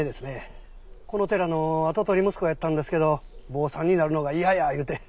この寺の跡取り息子やったんですけど坊さんになるのが嫌や言うて。